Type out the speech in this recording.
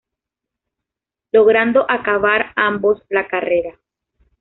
Logrando acabar ambos la carrera.